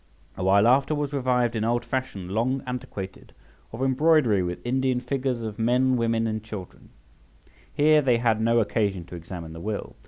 A while after was revived an old fashion, long antiquated, of embroidery with Indian figures of men, women, and children {79a}. Here they had no occasion to examine the will.